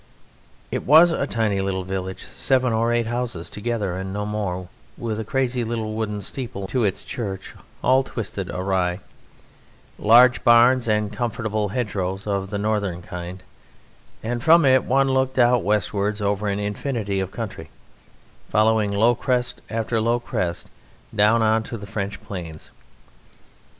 It was a tiny little village, seven or eight houses together and no more, with a crazy little wooden steeple to its church all twisted awry, large barns, and comfortable hedgerows of the Northern kind; and from it one looked out westwards over an infinity of country, following low crest after low crest, down on to the French plains.